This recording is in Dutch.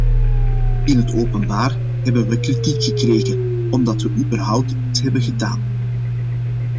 In het openbaar hebben we kritiek gekregen omdat we überhaupt iets hebben gedaan.